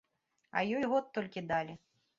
А ёй год толькі далі.